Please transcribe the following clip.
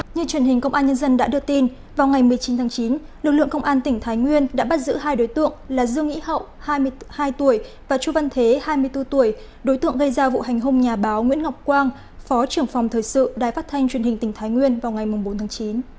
như truyền hình công an nhân dân đã đưa tin vào ngày một mươi chín tháng chín lực lượng công an tỉnh thái nguyên đã bắt giữ hai đối tượng là dương nghĩ hậu hai mươi hai tuổi và chu văn thế hai mươi bốn tuổi đối tượng gây ra vụ hành hung nhà báo nguyễn ngọc quang phó trưởng phòng thời sự đài phát thanh truyền hình tỉnh thái nguyên vào ngày bốn tháng chín